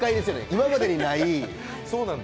今までにない。